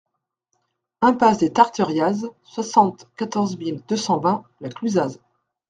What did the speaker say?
Impasse des Tarteriaz, soixante-quatorze mille deux cent vingt La Clusaz